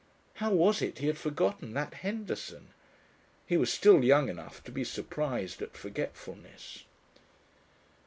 How was it he had forgotten that "Henderson"? He was still young enough to be surprised at forgetfulness.